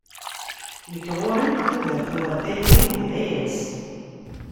Nekk ɣur-i tudert war tayri d layas.